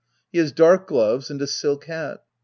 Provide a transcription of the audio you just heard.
He has dark gloves and a silk hat.